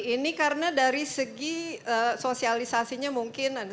ini karena dari segi sosialisasinya mungkin